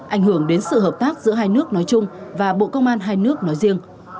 ảnh hưởng đến sự hợp tác giữa hai nước nói chung và bộ công an hai nước nói riêng